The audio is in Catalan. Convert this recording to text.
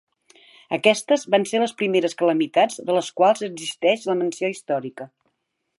Aquestes van ser les primeres calamitats de les quals existeix la menció històrica.